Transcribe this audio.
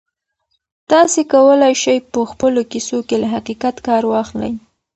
تاسي کولای شئ په خپلو کیسو کې له حقیقت کار واخلئ.